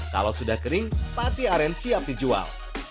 kalau sudah kering pati aren siap dijual